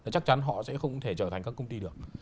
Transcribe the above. chắc chắn họ sẽ không có thể trở thành các công ty được